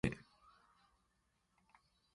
Loohoowo gom tawano e rewɓe mum nayo.